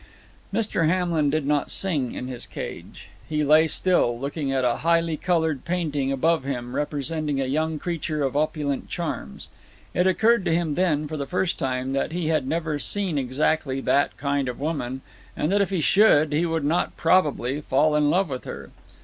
Mr. Hamlin did not sing in his cage. He lay still, looking at a highly colored painting above him representing a young creature of opulent charms. It occurred to him then, for the first time, that he had never seen exactly that kind of a woman, and that if he should, he would not, probably, fall in love with her.